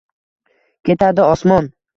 Ketadi osmon